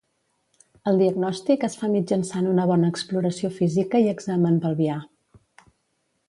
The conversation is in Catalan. El diagnòstic es fa mitjançant una bona exploració física i examen pelvià.